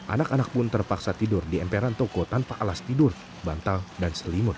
anak anak pun terpaksa tidur di emperan toko tanpa alas tidur bantal dan selimut